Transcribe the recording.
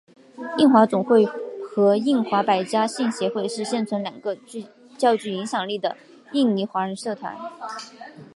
印华总会和印华百家姓协会是现存两个较具影响力的印尼华人社团。